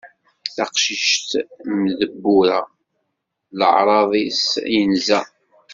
Taqcict mm tebbura, leɛṛeḍ-is inza.